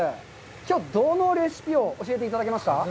きょう、どのレシピを教えていただけますか？